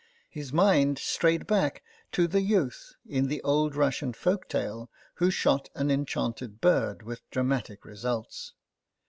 His mind strayed back to the youth in the old Russian folk tale who shot an enchanted bird with dramatic results.